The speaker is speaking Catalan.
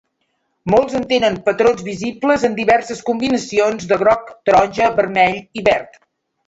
Molts en tenen patrons visibles en diverses combinacions de groc, taronja, vermell i verd.